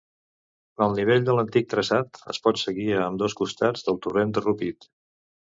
El nivell de l'antic traçat es pot seguir a ambdós costats del torrent de Rupit.